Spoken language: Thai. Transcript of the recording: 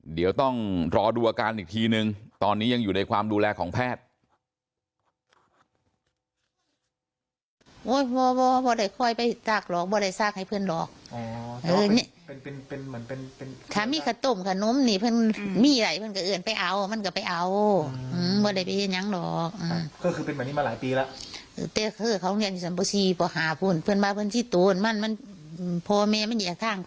เดี๋ยวต้องรอดูอาการอีกทีนึงตอนนี้ยังอยู่ในความดูแลของแพทย์